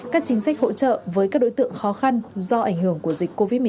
các chính sách hỗ trợ với các đối tượng khó khăn do ảnh hưởng của dịch covid một mươi chín